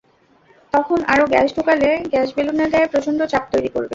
তখন আরও গ্যাস ঢোকালে গ্যাস বেলুনের গায়ে প্রচণ্ড চাপ তৈরি করবে।